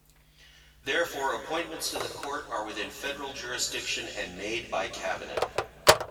Therefore, appointments to the Court are within federal jurisdiction and made by cabinet.